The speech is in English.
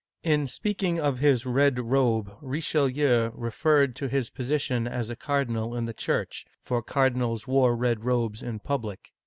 In speaking of his red robe, Richelieu referred to his posi tion as a cardinal in the Church ; for cardinals wore red robes in public.